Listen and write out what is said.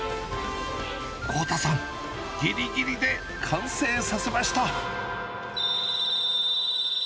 こうたさん、ぎりぎりで完成させました。